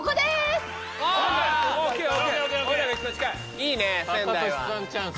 いいね仙台は。